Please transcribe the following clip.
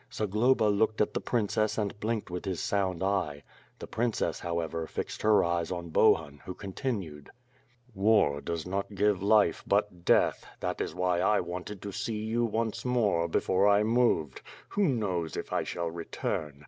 Zagloba looked at the princess and blinked with his sound eye. The princess, how ever, fixed her eyes on Bohun, who continued: "War does not give life, but death; that is why I wanted to see you once more, before I moved. Who knows if I shall return?